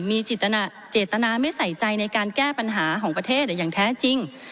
มีเจตนาไม่ใส่ใจในการแก้ปัญหาของประเทศอย่างแท้จริง